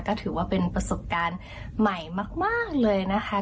ก็ถือว่าเป็นประสบการณ์ใหม่มากเลยนะคะ